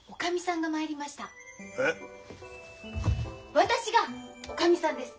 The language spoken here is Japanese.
私がおかみさんです。